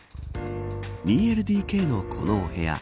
２ＬＤＫのこのお部屋